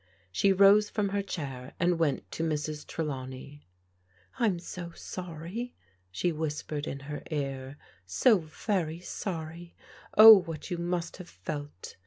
She rose from her chair and went to Mrs. Trelawney. " I'm so sorry," she whispered in her ear, " so very sorry. Oh, what you must have felt